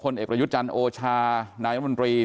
พลเอกประยุจจรรย์โอชานายรัฐมนตรี